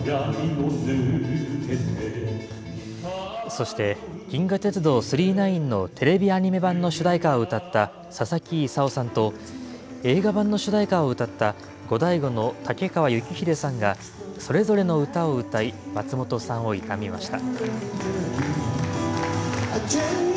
そして、銀河鉄道９９９のテレビアニメ版の主題歌を歌ったささきいさおさんと、映画版の主題歌を歌ったゴダイゴのタケカワユキヒデさんがそれぞれの歌を歌い、松本さんを悼みました。